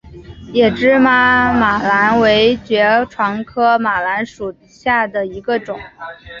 野芝麻马蓝为爵床科马蓝属下的一个种。